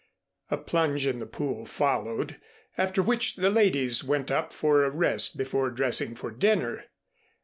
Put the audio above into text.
A plunge in the pool followed; after which the ladies went up for a rest before dressing for dinner.